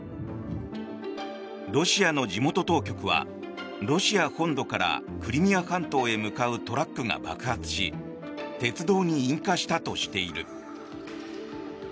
ロシアの地元当局はロシア本土からクリミア半島へ向かうトラックが爆発し鉄道に引火したとしている。